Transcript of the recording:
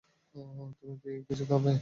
তুমি কি কিছু খাবে?